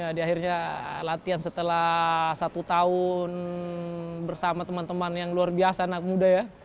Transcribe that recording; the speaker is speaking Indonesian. ya di akhirnya latihan setelah satu tahun bersama teman teman yang luar biasa anak muda ya